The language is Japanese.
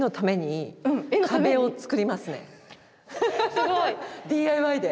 すごい！ＤＩＹで。